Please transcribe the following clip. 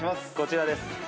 こちらです。